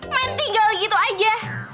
main tinggal gitu aja